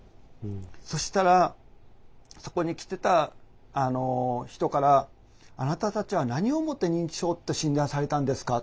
そしたらそこに来てた人から「あなたたちは何をもって認知症って診断されたんですか？」。